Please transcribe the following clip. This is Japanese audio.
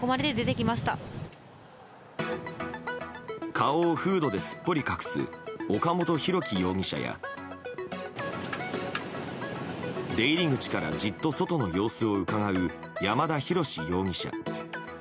顔をフードですっぽり隠す岡本大樹容疑者や出入り口からじっと外の様子をうかがう山田大志容疑者。